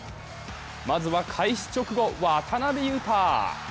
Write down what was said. まずは開始直後、渡邊雄太！